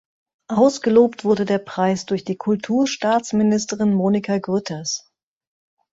Ausgelobt wurde der Preis durch die Kulturstaatsministerin Monika Grütters.